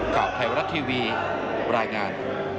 ข่าวไทยรัฐทีวีรายงาน